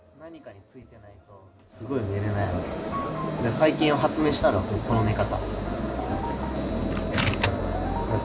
最近発明したの、この寝方。